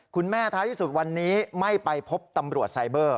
ท้ายที่สุดวันนี้ไม่ไปพบตำรวจไซเบอร์